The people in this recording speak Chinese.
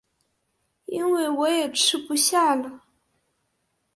因为我也吃不下了